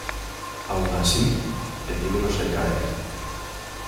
Aun así, el libro se cae.